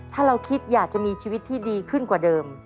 ถ้าเราคิดอยากจะมีชีวิตที่ดีขึ้นกว่าเดิม